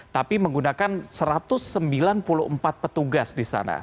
tapi menggunakan satu ratus sembilan puluh empat petugas di sana